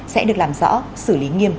sẽ được làm rõ xử lý nghiêm